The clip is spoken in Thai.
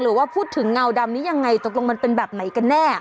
หรือว่าพูดถึงเงาดำนี้ยังไงตกลงมันเป็นแบบไหนกันแน่